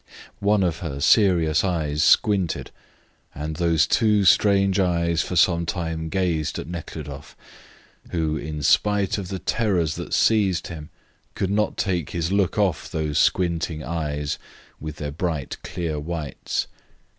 One of her serious eyes squinted, and those two strange eyes for some time gazed at Nekhludoff, who, in spite of the terrors that seized him, could not take his look off these squinting eyes, with their bright, clear whites.